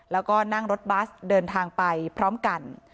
แล้วก็นั่งรถบัสเดินทางไปพร้อมกัน